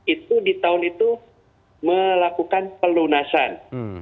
itu di tahun itu melakukan pelunasan